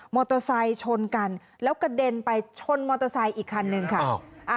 โตไซค์ชนกันแล้วกระเด็นไปชนมอเตอร์ไซค์อีกคันนึงค่ะ